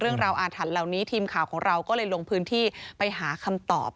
อาถรรพ์เหล่านี้ทีมข่าวของเราก็เลยลงพื้นที่ไปหาคำตอบ